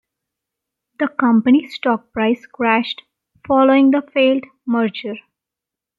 The company's stock price crashed following the failed merger.